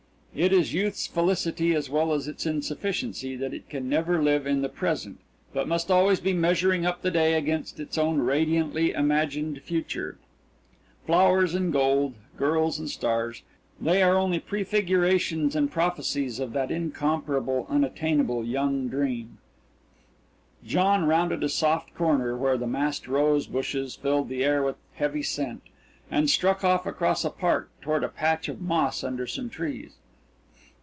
It is youth's felicity as well as its insufficiency that it can never live in the present, but must always be measuring up the day against its own radiantly imagined future flowers and gold, girls and stars, they are only prefigurations and prophecies of that incomparable, unattainable young dream. John rounded a soft corner where the massed rosebushes filled the air with heavy scent, and struck off across a park toward a patch of moss under some trees.